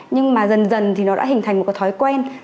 nhưng mà dần dần nó đã hình thành một thói quen